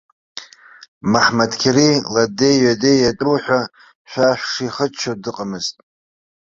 Маҳмаҭқьари ладеи-ҩадеи иатәу ҳәа шәа шәшихыччо дыҟамызт.